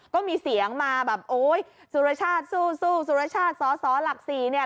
ก็มีเสียงมาแบบโอ๊ยสุรชาติสู้สุรชาติสสหลักสี่เนี่ย